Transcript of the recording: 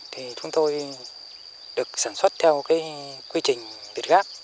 thì chúng tôi được sản xuất theo quy trình việt gáp